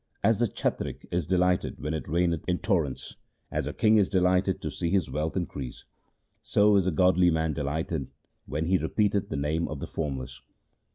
As the chatrik is delighted when it raineth in torrents, As a king is delighted to see his wealth increase, So is a godly man delighted when he repeateth the Name of the Formless.